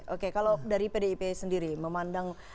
oke kalau dari pdip sendiri memandang